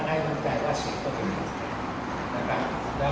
เนี่ยเริ่มทิ้งกันที่ว่า